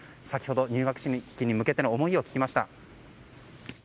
先ほど、入学式に向けての思いを聞きました。